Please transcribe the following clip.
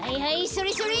それそれ！